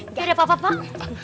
nggak ada apa apa